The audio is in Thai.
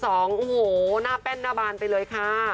โอ้โหหน้าแป้นหน้าบานไปเลยค่ะ